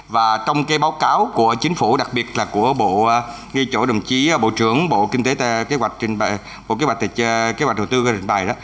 và trong cái báo cáo của chính phủ đặc biệt là của bộ ngay chỗ đồng chí bộ trưởng bộ kinh tế kế hoạch hồ tư gây trình bày đó